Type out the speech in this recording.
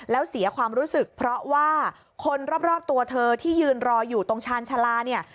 แล้วเสียความรู้สึกเพราะว่าคนรอบตัวเธอที่ยืนรออยู่ตรงชาญชาลาเนี่ย